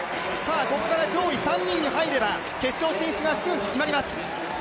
ここから上位３人に入れば決勝進出がすぐ決まります。